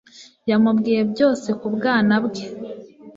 yamubwiye byose ku bwana bwe